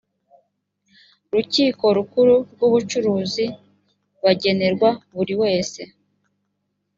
rukiko rukuru rw ubucuruzi bagenerwa buri wese